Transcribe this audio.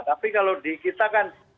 tapi kalau di kita kan